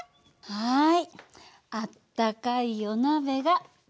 はい。